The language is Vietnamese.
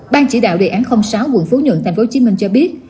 ban chỉ đạo đề án sáu quận phú nhuận tp hcm cho biết